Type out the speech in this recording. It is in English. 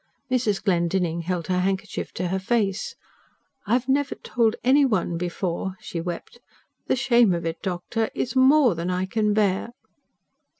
Mrs. Glendinning held her handkerchief to her face. "I have never told any one before," she wept. "The shame of it, doctor ... is more than I can bear."